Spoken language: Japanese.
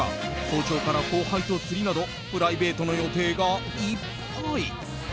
早朝から後輩と釣りなどプライベートの予定がいっぱい。